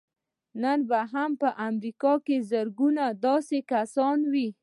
نن به هم په امريکا کې زرګونه داسې کسان وي.